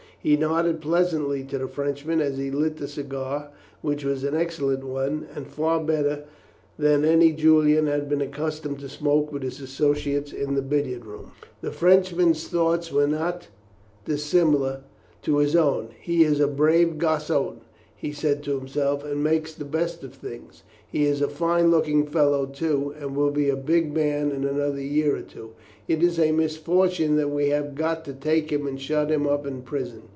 He nodded pleasantly to the Frenchman as he lit the cigar, which was an excellent one, and far better than any Julian had been accustomed to smoke with his associates in the billiard room. The Frenchman's thoughts were not dissimilar to his own. "He is a brave garçon," he said to himself, "and makes the best of things. He is a fine looking fellow, too, and will be a big man in another year or two. It is a misfortune that we have got to take him and shut him up in prison.